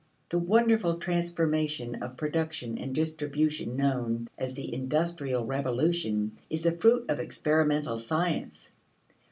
The wonderful transformation of production and distribution known as the industrial revolution is the fruit of experimental science.